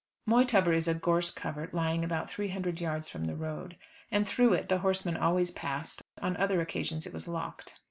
Moytubber is a gorse covert lying about three hundred yards from the road, and through it the horsemen always passed; on other occasions it was locked.